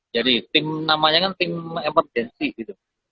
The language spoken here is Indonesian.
jadi tim namanya kan tim emergensi gitu